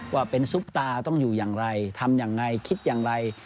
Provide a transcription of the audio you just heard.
ว่าเป็นซุปตาต้องอยู่อย่างไรทำยังไงคิดอย่างไร